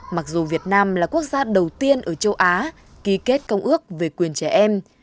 mặc dù việt nam là quốc gia đầu tiên ở châu á ký kết công ước về quyền trẻ em